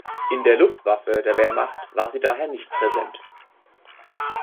In der Luftwaffe der Wehrmacht war sie daher nicht präsent.